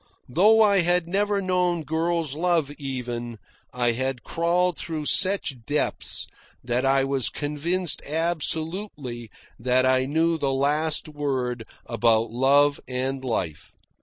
Though I had never known girl's love even, I had crawled through such depths that I was convinced absolutely that I knew the last word about love and life.